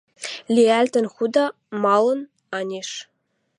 «Лиӓлтӹн худа?» — «Малын? Анеш